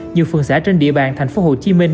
nhiều phường xã trên địa bàn thành phố hồ chí minh